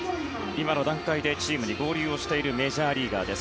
今の段階でチームに合流しているメジャーリーガーです。